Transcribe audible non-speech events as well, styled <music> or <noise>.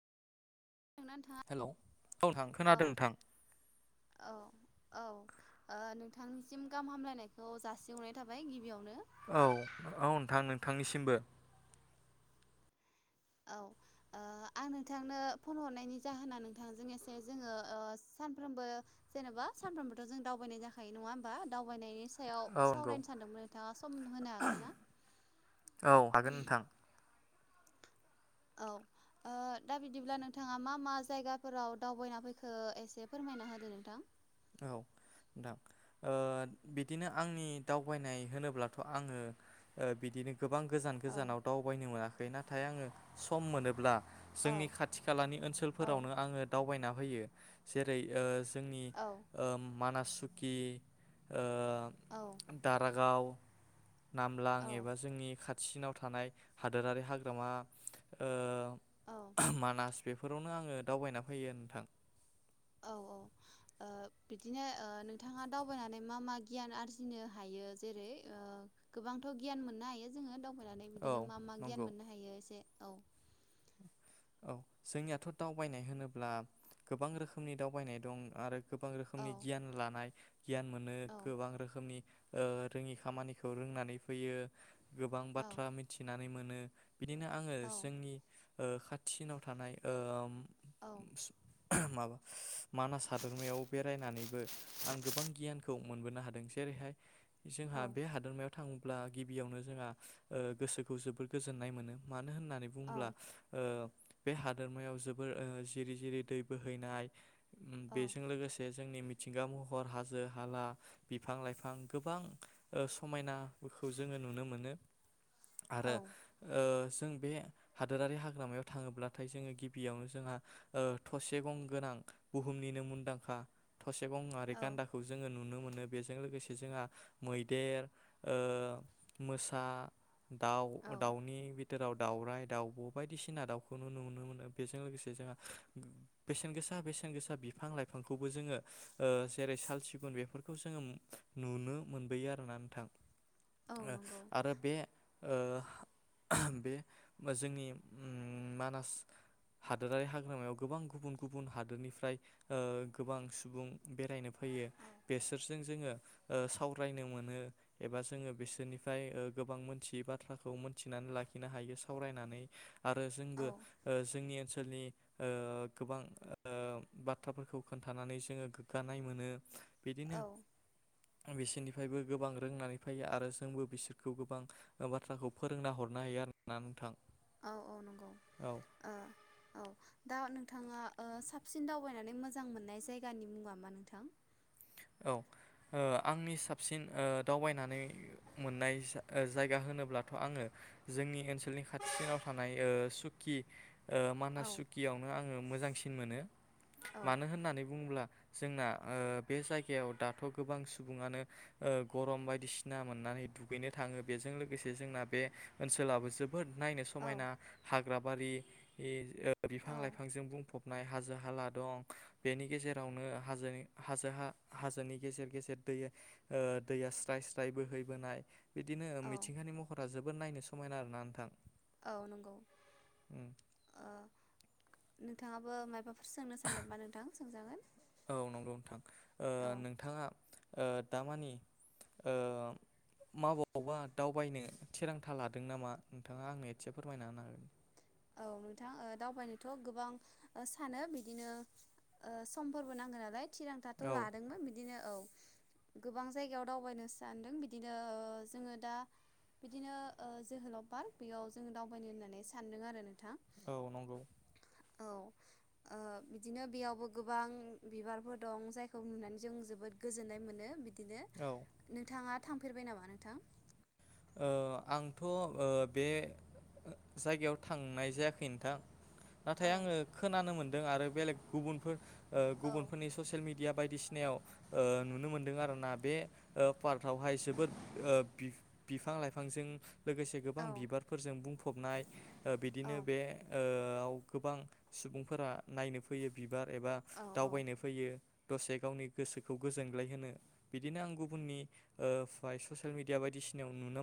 थांनानै था हेलौ औ नोंथां औ खोनादों नोंथां औ औ। ओ नोंथांनिसिम गाहाम हामलायनायखौ जासिहरनाय थाबाय गिबियावनो। औ औ नोंथां नोंथांनिसिमबो। औ ओ आं नोंथांनो फन हरनायनि जाहोना नोंथांजों एसे जोङो ओ सानफ्रोमबो जेनेबा सानफ्रोमबोथ' जों दावबायनाय जाखायो नङा होमबा दावबायनायनि सायाव औ नंगौ सावरायनो सानदोंमोन नोंथाङा सम होनो हागोन ना? औ हागोन नोंथां औ ओ दा बिदिब्ला नोंथाङा मा मा जायगाफोराव दावबायना फैखो एसे फोरमायना होदो नोंथां। औ नोंथां ओ बिदिनो आंनि दावबायनाय होनोब्लाथ' आङो ओ बिदिनो गोबां गोजान औ गोजानाव दावबायनो मोना खै नाथाय आङो सम मोनोब्ला जोंनि औ खाथि खालानि औ ओनसोलफोरावनो आङो दावबायना फैयो जेरै ओ जोंनि औ मानास सुकि ओ औ दारागाव नामलां औ एबा जोंनि खाथि सिनाव थानाय हादोरारि हाग्रामा औ मानास बेफोरावनो आङो दावबायना फैयो नोंथां। औ औ ओ बिदिनो ओ नोंथाङा दावबायनानै मा मा गियान आरजिनो हायो जेरै ओ गोबांथ' गियान मोननो हायो जोङो। होनोनानै औ बिदिनो मा मा गियान नंगौ मोननो हायो एसे औ औ जोंनियाथ' दावबायनाय होनोब्ला गोबां रोखोमनि दावबायनाय दं आरो। गोबां औ रोखोमनि गियान लानाय गियान मोनो औ गोबां रोखोमनि रोङि खामानिखौ रोंनानै फैयो गोबां औ बाथ्रा मिथिनानै मोनो। बिदिनो आङो औ जोंनि ओ खाथिसिनाव थानाय ओ औ ब <inaudible> माबा मानास हादोरमायाव बेरायनानैबो आं गोबां गियानखौ मोनबोनो हादों जेरैहाय औ जोंहा बे हादोरमायाव थाङोब्ला गिबियावनो जोंहा गोसोखौ जोबोर गोजोन्नाय मोनो मानो मानो होननानै बुङोब्ला ओ बे हादोरमायाव जोबोर ओ जिरि जिरि दै बोहैनाय बेजों लोगोसे जोंनि मिथिंगा महर हाजो हाला बिफां लाइफां गोबां समायनाखौ जोङो नुनो मोनो। आरो औ ओ जों बे हादोरारि हाग्रामायाव थाङोब्लाथाय जोङो गिबियावनो जोंहा थसे गं गोनां बुहुमनिनो मुंदांखा थसे गङारि औ गान्दाखौ जोङो नुनो मोनो। बेजों लोगोसे जोंहा मैदेर ओ मोसा दाउ औ दाउनि बिथोराव दावराय दाउब' बायदिसिना दाउखौनो नुनो मोनो बेजों लोगोसे जोंहा बेसेन गोसा बेसेन गोसा बिफां लाइफांखौबो जोङो जेरै साल सिगुन बेफोरखौ जोङो नुनो मोनबोयो आरोना नोंथां। औ ओ नंगौ आरो बे ओ बे जोंनि उ मानास हादोरारि हाग्रामायाव गोबां गुबुन गुबुन हादोरनिफ्राय ओ गोबां सुबुं बेरायनो फैयो औ बेसोरजों जोङो ओ सावरायनो मोनो एबा जोङो बिसोरनिफ्राय ओ गोबां मोनथियै बाथ्राखौ मोनथिनानै लाखिनो हायो सावरायनानै आरो जोंबो औ ओ जोंनि ओनसोलनि ओ गोबां ओ बाथ्राफोरखौ खोन्थानानै जोङो गोग्गानाय मोनो। बिदिनो औ बिसोरनिफ्रायबो गोबां रोंनानै फैयो आरो जोंबो बिसोरखौ गोबां बाथ्राखौ फोरोंना हरनो हायो आरो ना नोंथां औ औ नंगौ औ ओ औ दा नों थाङा ओ साबसिन दावबायनानै मोजां मोननाय जायगानि मुङा मा नोंथां औ ओ आंनि साबसिन ओ दावबायनानै मोननाय जा-जायगा होनोब्लाथ' आङो जोंनि ओनसोलनि खाथिसिनाव ओ थानाय सुकि ओ औ मानास सुकियावनो आङो मोजां सिन मोनो औ मानो होननानै बुङोब्ला जोंना ओ बे जाय गायाव दाथ' गोबां सुबुङानो ओ गरम बायदिसिना मोननानै दुगैनो थाङो बेजों लोगोसे जोंना बे ओनसोलाबो जो बोद नायनो समायना औ हा ग्राबारि इ ओ औ बिफां-लाइफांजों बुंफब नाय हाजो हाला दं बेनि गेजेरावनो हाजोनि हाजो हा हाजोनि गेजेर गेजेर दैया ओ दैया स्राय स्राय बोहैबोनाय बिदिनो औ मिथिंगानि महरा जो बोद नायनो समायना आरोना नोंथां। औ नंगौ ओ नोंथाङाबो मायबा औ नंगौ नोंथां ओ औ नोंथाङा ओ दामानि ओ माबावबा दावबायनो थिरांथा लादों नामा नोंथाङा आंनो एसे फोरमायना होनो हागोन। औ नोंथां ओ दावबायनोथ' गोबां ओ सानो बिदिनो ओ समफोरबो नांगो नालाय थिरांथाथ' हागोन औ लादोंमोन बिदिनो औ गोबां जायगायाव दावबायनो सानदों बिदिनो जोङो दा बिदिनो ओ जोहोलाव पार्क बेयाव जोङो दावबायनो होननानै सानदों आरो नोंथां औ नंगौ औ ओ बिदिनो बेयावबो गोबां बिबारफोर दं जायखौ नुनानै जों जोबोद गोजोन्नाय मोनो बि दिनो औ ओ नोंथाङा थांफेरबाय नामा नोंथां ओ आंथ' ओ बे जायगायाव थांनाय जायाखै नोंथां। नाथाय औ आङो खोनानो मोन दों आरो बेलेग गुबुनफोर ओ औ गुबुनफोरनि ससियेल मिडिया बायदिसिनायाव नुनो मोनदों आरोना बे ओ पार्कआवहाय जोबोद ओ बि बिफां लाइफांजों लोगोसे गोबां औ बिबारफोरजों बुंफ फबनाय ओ औ बिदिनो बे ओ आव गोबां सुबुंफोरा नायनो फैयो बिबार एबा औ औ दावबायनो फैयो दसे गावनि गोसोखौ गोजोनग्लाय होनो बिदिनो आं गुबुननि ओ फ्राय ससियेल मिडिया बायदिसि नायाव नुनो